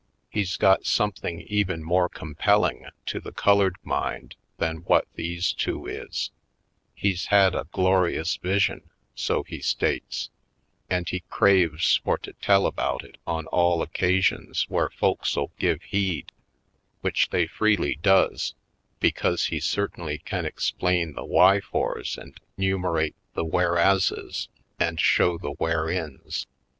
He's got something even more compelling to the colored mind than what these two is — he's had a glorious vi sion, so he states, and he craves for to tell about it on all occasions where folks '11 give heed; which they freely does, because he certainly can explain the whyfores and 'numerate the whereases and show the whereins.